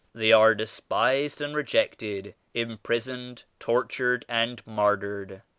They are despised and rejected, im prisoned, tortured and martyred.